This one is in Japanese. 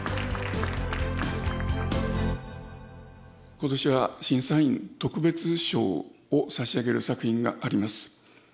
今年は審査委員特別賞を差し上げる作品があります。